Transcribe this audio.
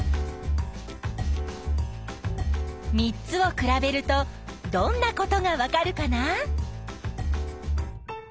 ３つを比べるとどんなことがわかるかな？